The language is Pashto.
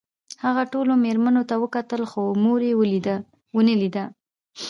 هغه ټولو مېرمنو ته وکتل خو مور یې ونه لیده